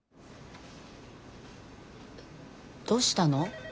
どうしたの？